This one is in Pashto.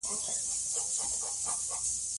هنر د فکر ازادي او د بیان قوت ته وده ورکوي.